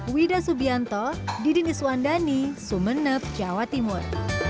widha subianto didi niswandani sumeneb jawa timur